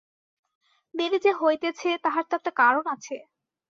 দেরী যে হইতেছে তাহার তো একটা কারণ আছে?